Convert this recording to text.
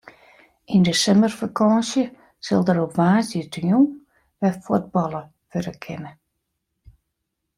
Yn de simmerfakânsje sil der op woansdeitejûn wer fuotballe wurde kinne.